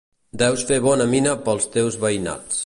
Deus fer bona mina pels teus veïnats.